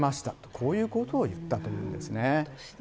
こういうことを言ったというんですね。